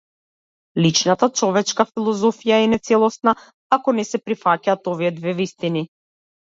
Личната човечка философија е нецелосна, ако не се прифатат овие две вистини.